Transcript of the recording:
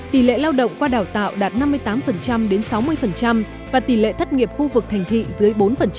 tỷ lệ lao động qua đào tạo đạt năm mươi tám đến sáu mươi và tỷ lệ thất nghiệp khu vực thành thị dưới bốn